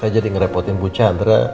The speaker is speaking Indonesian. saya jadi ngerepotin bu chandra